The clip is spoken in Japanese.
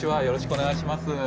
よろしくお願いします。